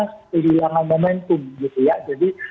sedih dengan momentum gitu ya jadi